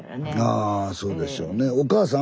あそうでしょうね。